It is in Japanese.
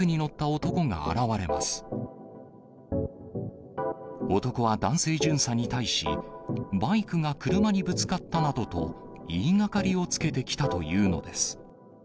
男は男性巡査に対し、バイクが車にぶつかったなどと、言いがかりをつけてきたというのです。